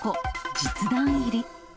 実弾入り。